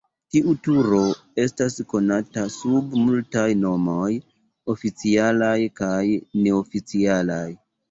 Tiu turo estas konata sub multaj nomoj, oficialaj kaj neoficialaj.